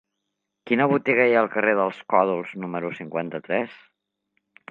Quina botiga hi ha al carrer dels Còdols número cinquanta-tres?